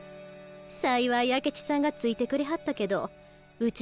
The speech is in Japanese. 幸い明智さんがついてくれはったけどうち